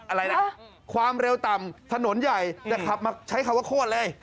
อะไรนะความเร็วต่ำถนนใหญ่แต่ขับมาใช้คำว่าโคตรเลย